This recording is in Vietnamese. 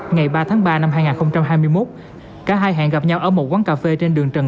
ngày ba tháng ba năm hai nghìn hai mươi một cả hai hẹn gặp nhau ở một quán cà phê trên đường trần